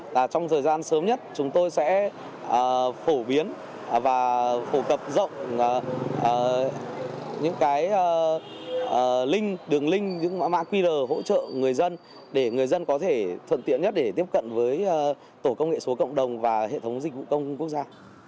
và trong thời gian sớm nhất chúng tôi sẽ phổ biến và phổ cập rộng những cái link đường link những mã qr hỗ trợ người dân để người dân có thể thuận tiện nhất để tiếp cận với tổ công nghệ số cộng đồng và hệ thống dịch vụ công quốc gia